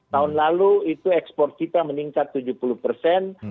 tahun lalu itu ekspor kita meningkat tujuh puluh persen